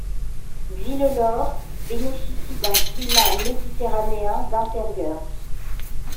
Villelaure bénéficie d'un climat méditerranéen d'intérieur.